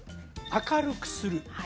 「明るくする」